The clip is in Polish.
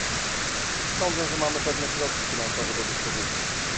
Sądzę, że mamy pewne środki finansowe do dyspozycji